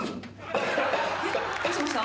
どうしました？